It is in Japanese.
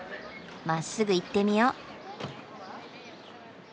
まっすぐ行ってみよう。